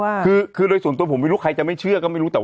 ว่าคือคือโดยส่วนตัวผมไม่รู้ใครจะไม่เชื่อก็ไม่รู้แต่ว่า